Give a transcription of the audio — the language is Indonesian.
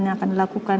yang akan dilakukan